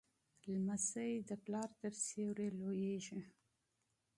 لمسی د پلار تر سیوري لویېږي.